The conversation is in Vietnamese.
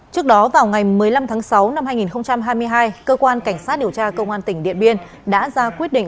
trước đó vào ngày một mươi năm tháng sáu năm hai nghìn hai mươi hai cơ quan cảnh sát điều tra công an tỉnh điện biên đã ra quyết định